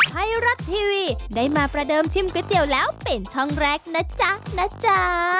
ไทยรัฐทีวีได้มาประเดิมชิมก๋วยเตี๋ยวแล้วเป็นช่องแรกนะจ๊ะนะจ๊ะ